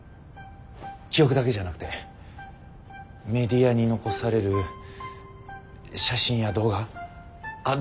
記憶だけじゃなくてメディアに残される写真や動画あ